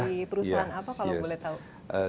di perusahaan apa kalau boleh tahu